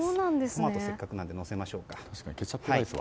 トマト、せっかくなのでのせましょうか。